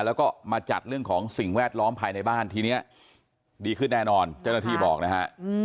แล้วก็มาจัดเรื่องของสิ่งแวดล้อมภายในบ้านทีนี้ดีขึ้นแน่นอนเจ้าหน้าที่บอกนะฮะ